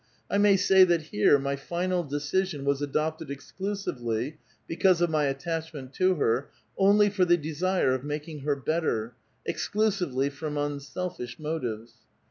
I may say that here my final decision was adopted exclu sively, because of my attachment to her, only for the desire of making her better, exclusively from unselfish motives.